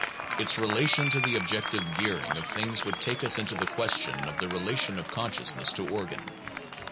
Its relation to the objective gearing of things would take us into the question of the relation of consciousness to organ.